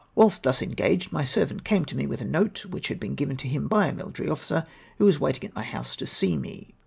Wliilst thus engaged, my servant came to nie with a note, wdiich had been given to him by a mihtary officer, who was waiting at my house to see me.